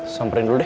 samperin dulu deh